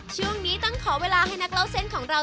ช่วงนี้ต้องขอเวลาให้นักเล่าเส้นของเรา